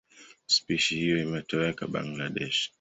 Spishi hiyo imetoweka Bangladesh.